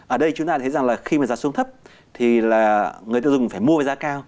ở đây chúng ta thấy rằng là khi mà giá xuống thấp thì là người tiêu dùng phải mua với giá cao